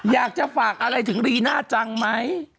อยากจะฝากอะไรถึงรีน่าจังไหม